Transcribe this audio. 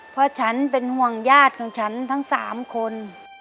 เพราะฉันเป็นห่วงญาติของฉันทั้ง๓คน